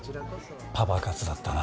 パパ活だったな。